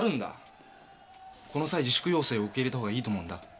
この際自粛要請を受け入れたほうがいいと思うんだ。